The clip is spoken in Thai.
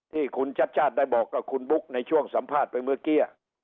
ที่คุณชัดชาติได้บอกกับคุณบุ๊กในช่วงสัมภาษณ์ไปเมื่อกี้